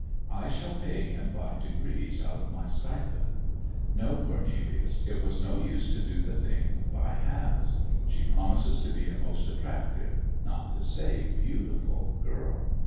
'I shall pay him by degrees out of my stipend. No, Cornelius, it was no use to do the thing by halves. She promises to be a most attractive, not to say beautiful, girl.